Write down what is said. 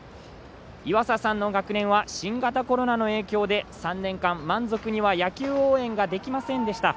いわささんの学年は新型コロナの影響で３年間、満足には野球応援ができませんでした。